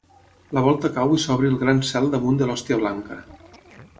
La volta cau i s’obri el gran cel damunt de l’hòstia blanca.